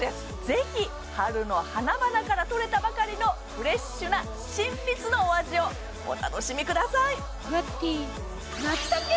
ぜひ春の花々からとれたばかりのフレッシュな新蜜のお味をお楽しみください